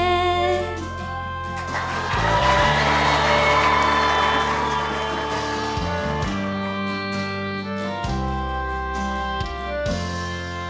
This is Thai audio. ลงทางซีได้